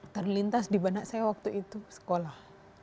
terlintas di benak saya waktu itu sekolah